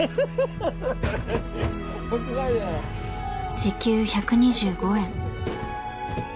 時給１２５円。